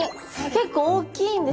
結構大きいんですね。